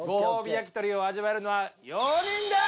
焼き鳥を味わえるのは４人です！